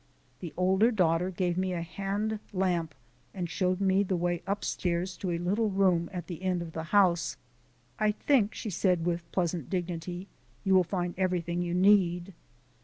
The older daughter gave me a hand lamp and showed me the way upstairs to a little room at the end of the house. "I think," she said with pleasant dignity, "you will find everything you need."